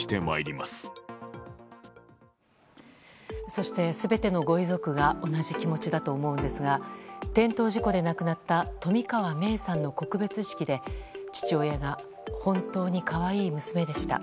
そして、全てのご遺族が同じ気持ちだと思うのですが転倒事故で亡くなった冨川芽生さんの告別式で父親が本当に可愛い娘でした。